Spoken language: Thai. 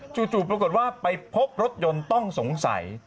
จู่ปรากฏว่าไปพบรถยนต์ต้องสงสัย